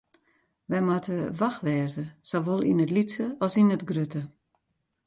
Wy moatte wach wêze, sawol yn it lytse as yn it grutte.